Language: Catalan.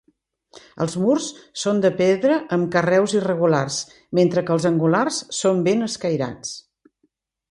Els murs són de pedra amb carreus irregulars, mentre que els angulars són ben escairats.